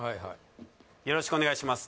よろしくお願いします